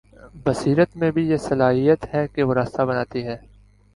بصیرت میں بھی یہ صلاحیت ہے کہ وہ راستہ بناتی ہے۔